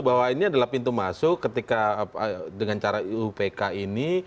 bahwa ini adalah pintu masuk ketika dengan cara iupk ini